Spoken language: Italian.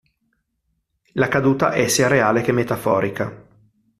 La caduta è sia reale che metaforica.